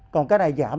còn cái này giảm